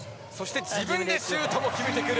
自分でシュートも決めてくる。